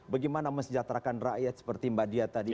bagaimana mesejahterakan rakyat seperti mbak dia tadi